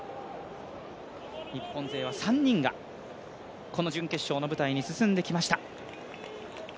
日本勢は３人がこの準決勝の舞台に進んできました。